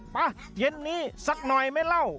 เย็นนี้สักหน่อยไหมเล่า